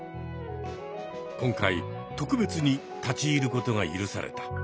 今回特別に立ち入ることが許された。